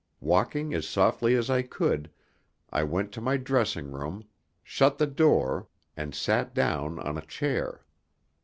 Walking as softly as I could, I went to my dressing room, shut the door, and sat down on a chair.